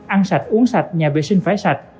ăn sạch uống sạch nhà vệ sinh phải sạch